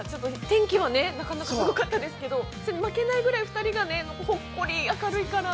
◆天気はなかなかすごかったですけど、負けないぐらい２人が、ほっこり、明るいから。